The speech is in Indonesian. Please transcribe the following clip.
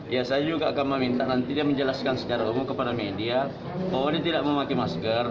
ya saya juga akan meminta nanti dia menjelaskan secara umum kepada media bahwa dia tidak memakai masker